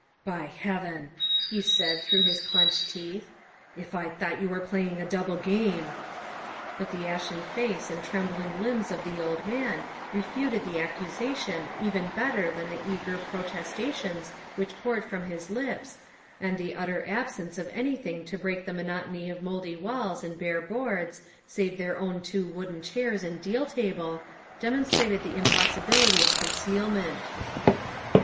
'' By Heaven !" he said through his clinched teeth, '' if I thought you were playing a double game But the ashen face and trembling limbs of the old man refuted the accusation even better than the eager protestations which poured from his lips, and the utter absence of anything to break the monotony of mouldy walls and bare boards, save their own two wooden chairs and deal table, demonstrated the impossibility of con cealment.